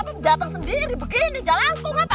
apa dateng sendiri begini jalanku ngapa